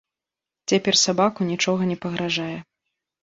Цяпер сабаку нічога не пагражае.